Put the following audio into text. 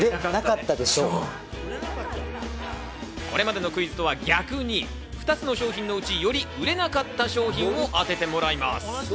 これまでのクイズとは逆に、２つの商品のうち、より売れなかった商品を当ててもらいます。